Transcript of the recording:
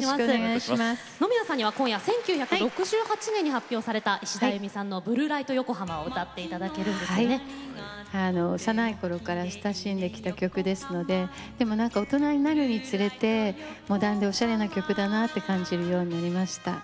野宮さんには、今夜１９６８年に発表されたいしだあゆみさんの「ブルー・ライト・ヨコハマ」を幼いころから親しんできた曲ですので大人になるにつれてモダンでおしゃれな曲だなと思うようになりました。